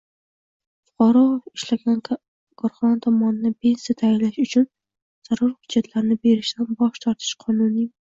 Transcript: Fuqaro ishlagan korxona tomonidan pensiya tayinlash uchun zarur hujjatlarni berishdan bosh tortishi qonuniymi?